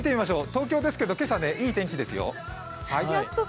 東京ですけど、今朝はいい天気ですよ。